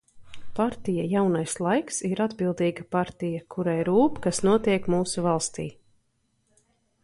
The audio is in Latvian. "Partija "Jaunais laiks" ir atbildīga partija, kurai rūp, kas notiek mūsu valstī."